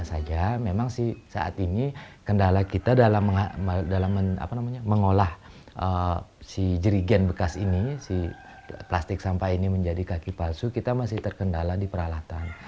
sebenarnya saat ini kendala kita dalam mengolah jerigian bekas ini plastik sampah ini menjadi kaki palsu kita masih terkendala di peralatan